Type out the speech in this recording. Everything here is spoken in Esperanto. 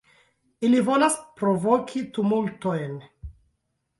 Ili volas provoki tumultojn.